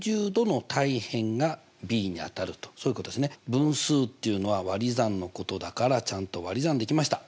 分数っていうのは割り算のことだからちゃんと割り算できました。